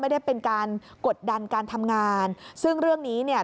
ไม่ได้เป็นการกดดันการทำงานซึ่งเรื่องนี้เนี่ย